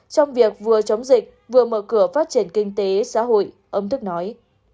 trong việc vừa chống dịch vừa mở cửa phát triển kinh tế xã hội ấm thức nói